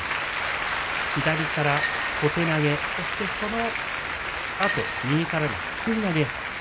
左から小手投げ、そしてそのあと右からのすくい投げ。